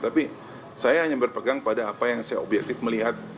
tapi saya hanya berpegang pada apa yang saya objektif melihat